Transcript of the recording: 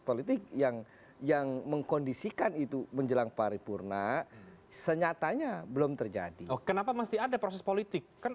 politik kan itu menjelang paripurna senyatanya belum terjadi kenapa mesti ada proses politik kan